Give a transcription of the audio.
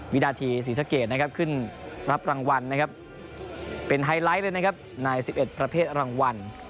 วินาทีศรีสะเกดนะครับขึ้นรับรางวัลนะครับเป็นไฮไลท์เลยนะครับใน๑๑ประเภทรางวัล